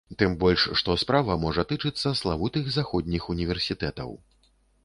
Тым больш, што справа можа тычыцца славутых заходніх універсітэтаў.